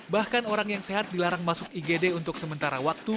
bahkan orang yang sehat dilarang masuk igd untuk sementara waktu